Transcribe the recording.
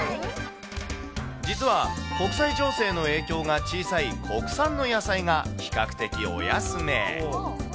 実は、国際情勢の影響が小さい国産の野菜が、比較的お安め。